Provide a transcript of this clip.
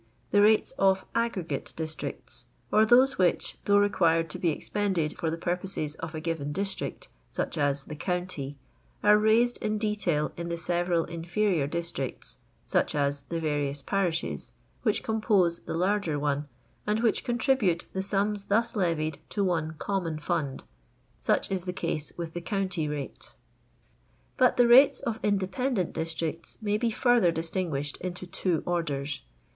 The rates of aggregate districts, or those which, though required to be expended for the purposes of a given district (such as the county), are raised in detail in the several inferior districts (such as the various parishes) which compose the larger one, and which contribute the sums thus levied to one common fund'; such is the case with the county rate. LONDON LABOUR AND THE LONDON POOR. 421 But tbe rates of iodependent diftricts may be farther distinguiahed into two orders, fix.